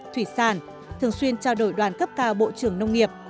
thủy sản thường xuyên trao đổi đoàn cấp cao bộ trưởng nông nghiệp